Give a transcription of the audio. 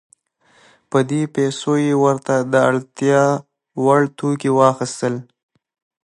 په دې پیسو یې ورته د اړتیا وړ توکي واخیستل.